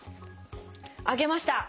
上げました！